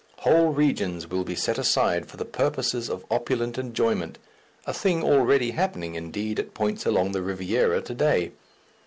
Whole regions will be set aside for the purposes of opulent enjoyment a thing already happening, indeed, at points along the Riviera to day.